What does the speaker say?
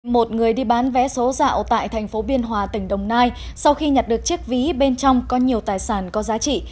một người đi bán vé số dạo tại thành phố biên hòa tỉnh đồng nai sau khi nhặt được chiếc ví bên trong có nhiều tài sản có giá trị